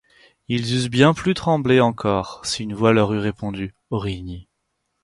Ils eussent bien plus tremblé encore si une voix leur eût répondu: Aurigny.